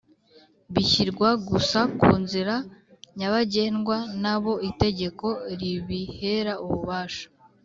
bishyirwa gusa ku nzira nyabagendwa n abo itegeko ribihera ububasha